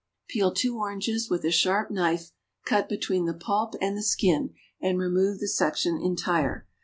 _) Peel two oranges; with a sharp knife cut between the pulp and the skin and remove the section entire.